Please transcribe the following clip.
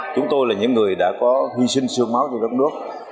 chúng tôi là những người đã có hy sinh sương máu cho đất nước